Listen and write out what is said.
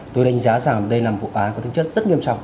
tôi đánh giá rằng đây là một vụ án có tính chất rất nghiêm trọng